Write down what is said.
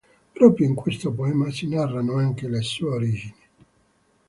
Proprio in questo poema si narrano anche le sue origini.